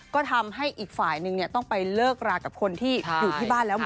ก็ทำให้อีกฝ่ายนึงต้องไปเลิกรากับคนที่อยู่ที่บ้านแล้วเหมือนกัน